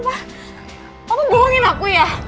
bawa aku balik ke harapan kasih